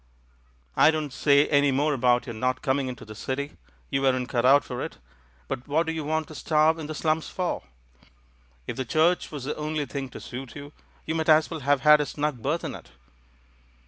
I don't say any more about your not coming into the City — you weren't cut out for it — but what do you want to starve in the slums for? If the Church was the only thing to suit you, you might as well have had a snug berth in it."